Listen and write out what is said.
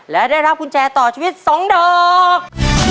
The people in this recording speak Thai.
และได้รับกุญแจต่อชีวิต๒ดอก